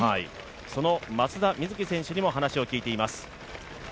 その松田瑞生選手にも話を聞いています。